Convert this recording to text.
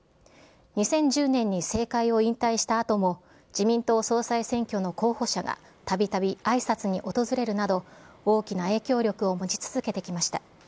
２０１０年に政界を引退したあとも自民党総裁選挙の候補者がたびたびあいさつに訪れるなど、大きな影響力を持ち続けてきました。